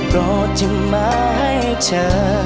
รอจะมาให้เจอ